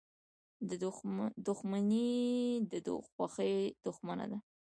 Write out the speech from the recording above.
• دښمني د خوښۍ دښمنه ده.